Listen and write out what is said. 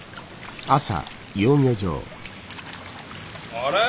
あれ？